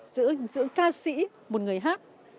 giữa ca sĩ một người hát